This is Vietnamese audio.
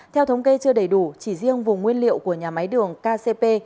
theo thống kê chưa đầy đủ chỉ riêng vùng nguyên liệu của nhà máy đường kcp